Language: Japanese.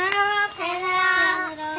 さようなら！